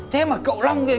thế mà cậu long gì